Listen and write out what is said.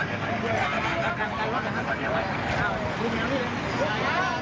คุณคิดว่าใครที่สุดต้องที่สุด